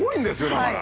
だから。